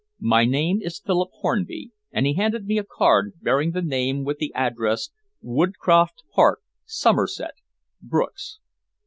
My name is Philip Hornby," and he handed me a card bearing the name with the addresses "Woodcroft Park, Somerset Brook's."